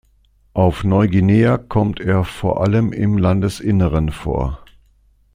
Auf Neuguinea kommt er vor allem im Landesinneren vor.